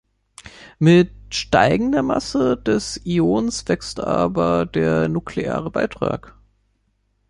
Mit steigender Masse des Ions wächst aber der nukleare Beitrag.